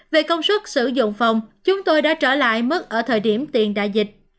về công suất sử dụng phòng chúng tôi đã trở lại mức ở thời điểm tiền đại dịch